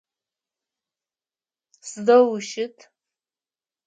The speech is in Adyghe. Сыдэу ущыт?